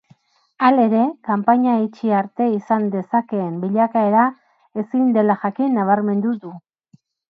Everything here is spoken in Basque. Halere, kanpaina itxi arte izan dezakeen bilakaera ezin dela jakin nabarmendu du.